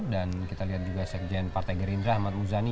dan kita lihat juga sekjen partai gerindra ahmad muzani